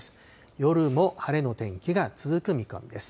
夜も晴れの天気が続く見込みです。